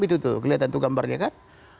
itu tuh kelihatan tuh gambarnya kan